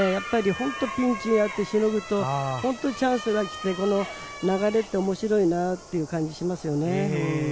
本当ピンチをああやってしのぐとチャンスが来て、流れって面白いなという感じがしますよね。